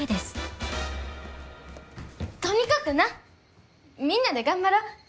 とにかくなみんなで頑張ろう。